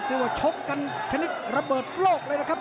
เท่าว่าชกกันทันิดระเบิดโปรกเลยนะครับ